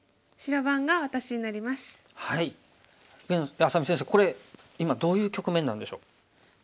愛咲美先生これ今どういう局面なんでしょう？